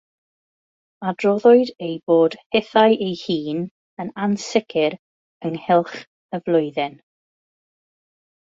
Adroddwyd ei bod hithau ei hun yn ansicr ynghylch y flwyddyn.